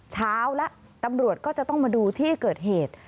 เช้าแล้วตำรวจก็จะต้องมาดูที่เกิดเหตุ